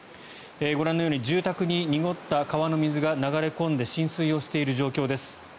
ご覧のように住宅に濁った川の水が流れ込んで浸水している状況です。